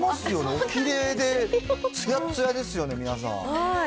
おきれいで、つやつやですよね、皆さん。